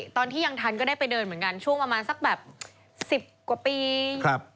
ตอนที่ยังทันก็ได้ไปเดินเหมือนกันช่วงประมาณสักแบบ๑๐กว่าปี